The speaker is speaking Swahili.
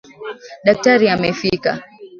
Daktari amefika.